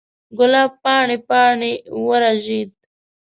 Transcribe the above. ګلاب پاڼې، پاڼې ورژید